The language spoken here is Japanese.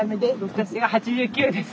私は８９です。